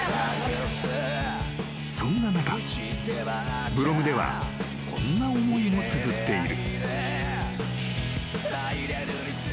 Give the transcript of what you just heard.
［そんな中ブログではこんな思いもつづっている］